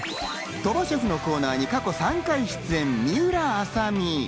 鳥羽シェフのコーナーに過去３回出演、水卜麻美。